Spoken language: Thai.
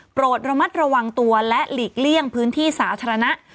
ระมัดระวังตัวและหลีกเลี่ยงพื้นที่สาธารณะ